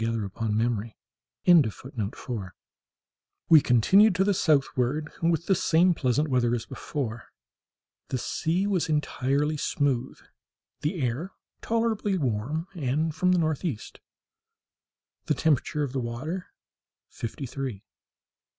CHAPTER 18 January 18.—This morning {*4} we continued to the southward, with the same pleasant weather as before. The sea was entirely smooth, the air tolerably warm and from the northeast, the temperature of the water fifty three.